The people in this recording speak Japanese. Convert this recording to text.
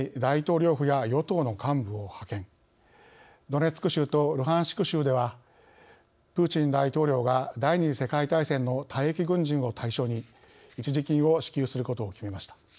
ドネツク州とルハンシク州ではプーチン大統領が第２次世界大戦の退役軍人を対象に一時金を支給することを決めました。